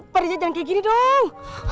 pak rija jangan kayak gini dong